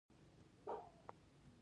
آیا د ایران کلتوري نفوذ پراخ نه دی؟